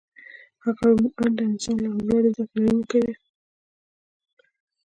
هغه روڼ انده انسان او لوړې زدکړې لرونکی و